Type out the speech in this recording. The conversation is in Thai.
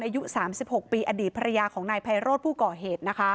อายุ๓๖ปีอดีตภรรยาของนายพัยโรดภูเกาะเหตุ